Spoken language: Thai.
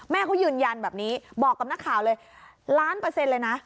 แม่เขายืนยันแบบนี้บอกกับนักข่าวเลยล้านเปอร์เซ็นต์เลยนะ